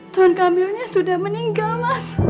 tuan kamilnya sudah meninggal mas